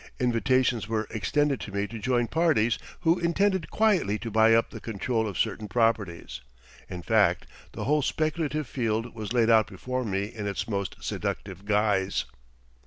Invitations were extended to me to join parties who intended quietly to buy up the control of certain properties. In fact the whole speculative field was laid out before me in its most seductive guise.